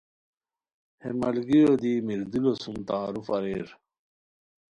ہے ملگیریو دی میردلو سم تعارف اریر